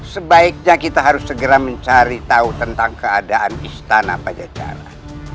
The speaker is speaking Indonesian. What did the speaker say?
sebaiknya kita harus segera mencari tahu tentang keadaan istana pajajaran